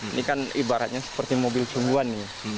ini kan ibaratnya seperti mobil cumbuan